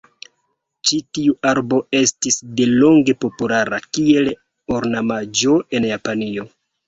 Ĉi tiu arbo estis delonge populara kiel ornamaĵo en Japanio.